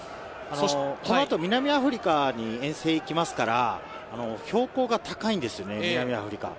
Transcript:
この後、南アフリカに遠征に行きますから、標高が高いんですよね、南アフリカ。